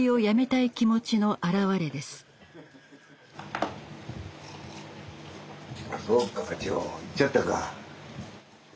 いっちゃったか。